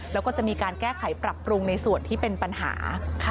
แล้วก็จะมีการแก้ไขปรับปรุงในส่วนที่เป็นปัญหา